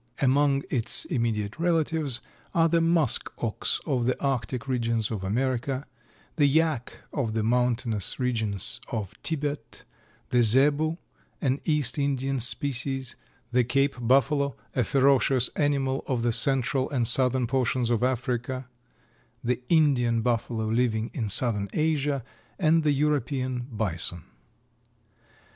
Among its immediate relatives are the musk ox of the Arctic regions of America, the yak of the mountainous regions of Tibet, the zebu, an East Indian species, the Cape buffalo, a ferocious animal of the central and southern portions of Africa, the Indian buffalo living in southern Asia and the European bison.